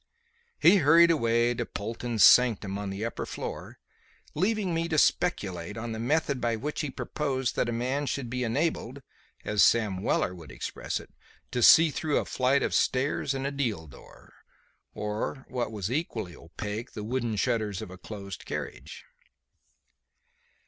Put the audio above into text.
He hurried away to Polton's sanctum on the upper floor, leaving me to speculate on the method by which he proposed that a man should be enabled, as Sam Weller would express it, "to see through a flight of stairs and a deal door"; or, what was equally opaque, the wooden shutters of a closed carriage.